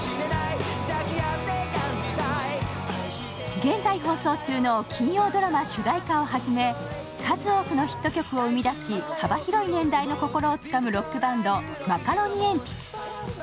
現在放送中の金曜ドラマ主題歌をはじめ、数多くのヒット曲を生み出し幅広い年代の心をつかむロックバンド、マカロニえんぴつ。